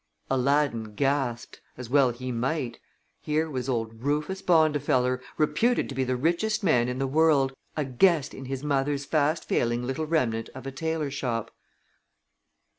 Aladdin gasped, as well he might. Here was old Rufus Bondifeller, reputed to be the richest man in the world, a guest in his mother's fast failing little remnant of a tailor shop.